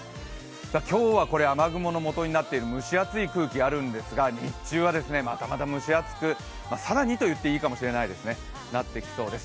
今日は雨雲の元になっている蒸し暑い空気、あるんですが日中はまたまた蒸し暑く、更にと言ってもいいかもしれないですね、なってきます。